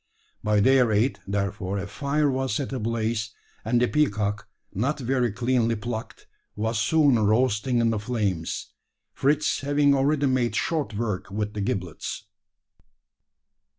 By their aid, therefore, a fire was set ablaze; and the peacock, not very cleanly plucked, was soon roasting in the flames Fritz having already made short work with the giblets.